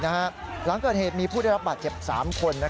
หลังเกิดเหตุที่มีพุทธรรมประเจ็บ๓คน